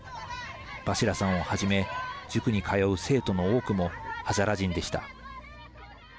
バシラさんをはじめ塾に通う生徒の多くもハザラ人でした。